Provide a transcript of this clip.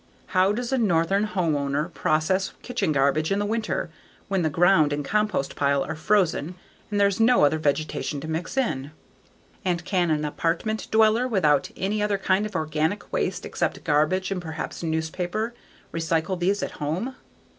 How does a northern homeowner process kitchen garbage in the winter when the ground and compost pile are frozen and there is no other vegetation to mix in? And can an apartment dweller without any other kind of organic waste except garbage and perhaps newspaper recycle these at home?